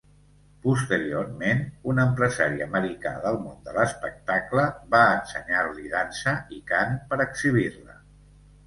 Posteriorment un empresari americà del món de l'espectacle va ensenyar-li dansa i cant per exhibir-la.